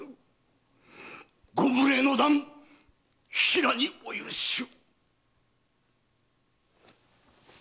ご無礼の段平にお許しを。